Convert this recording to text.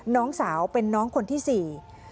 น้องสาวเป็นน้องคนที่สี่